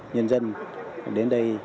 nhân dân đến đây